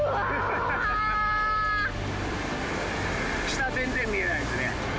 下全然見えないっすね。